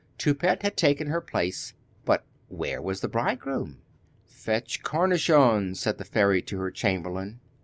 Toupette had taken her place, but where was the bridegroom? 'Fetch Cornichon!' said the fairy to her chamberlain.